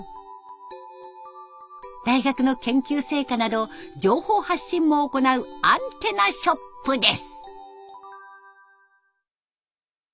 大学の研究成果など情報発信も行うアンテナショップです。